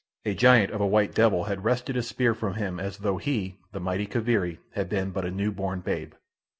A giant of a white devil had wrested his spear from him as though he, the mighty Kaviri, had been but a new born babe.